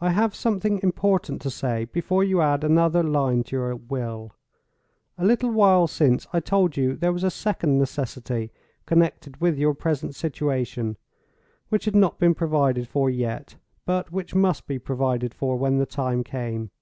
"I have something important to say, before you add another line to your will. A little while since, I told you there was a second necessity connected with your present situation, which had not been provided for yet, but which must be provided for, when the time came.